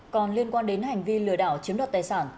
còn liên quan đến hành vi lừa đảo chiếm đoạt tài sản